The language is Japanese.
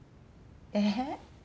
えっ？